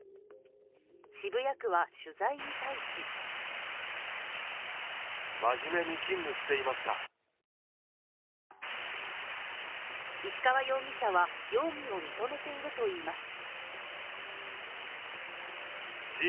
渋谷区は取材に対し石川容疑者は容疑を認めているといいます。